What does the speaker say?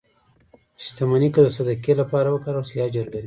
• شتمني که د صدقې لپاره وکارول شي، اجر لري.